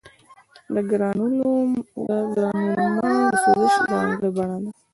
د ګرانولوما د سوزش ځانګړې بڼه ده.